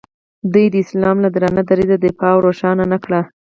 دوی د اسلام له درانه دریځه دفاع او روښانه نه کړ.